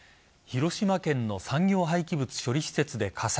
広島県の産業廃棄物処理施設で火災。